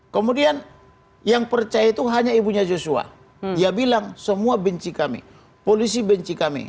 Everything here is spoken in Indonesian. kemudian yang percaya itu hanya ibunya joshua dia bilang semua benci kami polisi benci kami